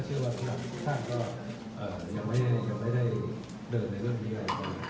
แล้วทั้งจากนี้มีภารกิจหรือว่ามีอะไรที่อยากทำ